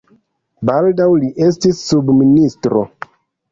Baldaŭ li estis subministro.